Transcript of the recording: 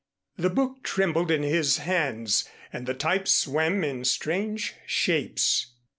The book trembled in his hands and the type swam in strange shapes.